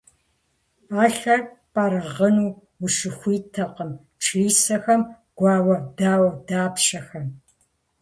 Ӏэлъэр пӏэрыгъыну ущыхуиттэкъым члисэхэм, гуауэ дауэдапщэхэм.